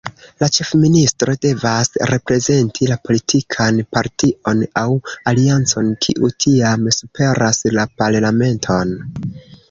La ĉefministro devas reprezenti la politikan partion aŭ aliancon, kiu tiam superas la Parlamenton.